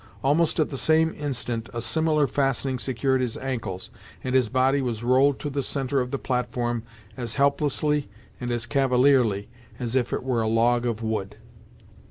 Almost at the same instant a similar fastening secured his ankles, and his body was rolled to the centre of the platform as helplessly, and as cavalierly, as if it were a log of wood.